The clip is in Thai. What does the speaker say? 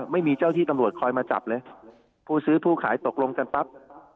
ไม่มีเจ้าที่ตำรวจคอยมาจับเลยผู้ซื้อผู้ขายตกลงกันปั๊บ